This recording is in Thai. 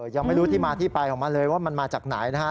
ยังไม่รู้ที่มาที่ไปของมันเลยว่ามันมาจากไหนนะฮะ